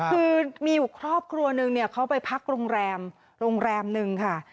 คือมีครอบครัวนึงเขาไปพักโรงแรมโรงแรมนึงค่ะ